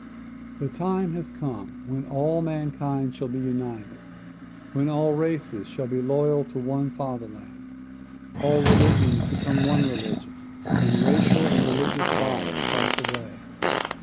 The time has come when all mankind shall be united, when all races shall be loyal to one father land, all religions become one religion and racial and religious bias pass away.